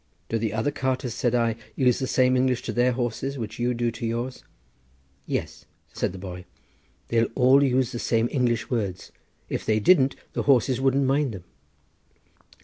"Do the other carters," said I, "use the same English to their horses which you do to yours?" "Yes," said the boy, "they all use the same English words; if they didn't the horses wouldn't mind them."